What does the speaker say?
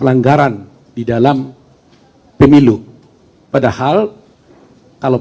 irmah sengketa yang disampaikan corners metal jessi opossum dengan studio s club